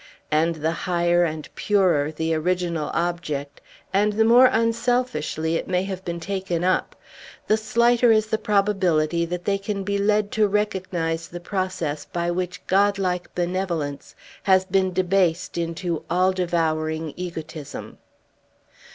And the higher and purer the original object, and the more unselfishly it may have been taken up, the slighter is the probability that they can be led to recognize the process by which godlike benevolence has been debased into all devouring egotism.